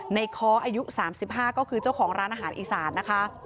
ค้ออายุ๓๕ก็คือเจ้าของร้านอาหารอีสานนะคะ